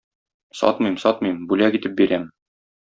Сатмыйм, сатмыйм, бүләк итеп бирәм